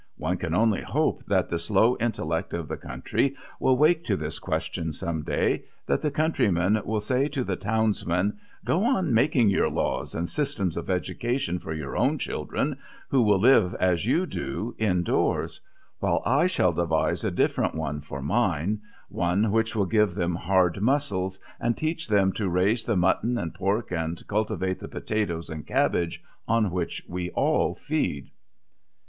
One can only hope that the slow intellect of the country will wake to this question some day, that the countryman will say to the townsman, Go on making your laws and systems of education for your own children, who will live as you do indoors; while I shall devise a different one for mine, one which will give them hard muscles and teach them to raise the mutton and pork and cultivate the potatoes and cabbages on which we all feed.